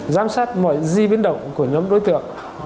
giám sát mọi di biến động của nhóm đối tượng